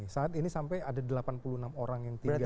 saat ini sampai ada delapan puluh enam orang yang tinggal